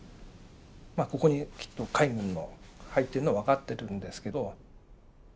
ここにきっと海軍の入ってるのは分かってるんですけど。